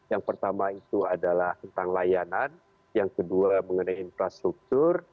yang pertama itu adalah tentang layanan yang kedua mengenai infrastruktur